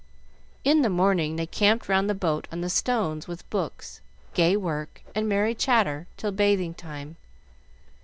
In the morning they camped round the boat on the stones with books, gay work, and merry chatter, till bathing time.